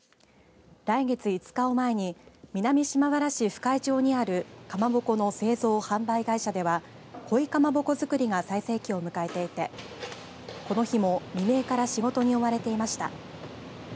来月５日を前に南島原市深江町にあるかまぼこの製造・販売会社では鯉かまぼこづくりが最盛期を迎えていてこの日も未明から仕事に追われていました。